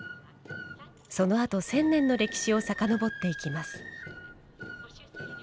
そのあと、千年の歴史をさかのぼっていきます。